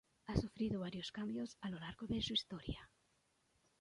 Ha sufrido varios cambios a lo largo de su historia.